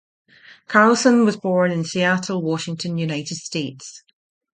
Carlson was born in Seattle, Washington, United States.